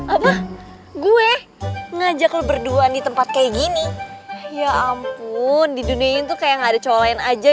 apa gue ngajak lu berduaan di tempat kayak gini ya ampun di dunia itu kayak ada cowok lain aja